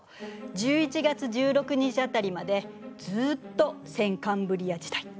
１１月１６日辺りまでずっと先カンブリア時代。